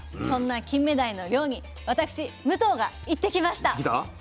そんなキンメダイの漁に私武藤が行ってきました。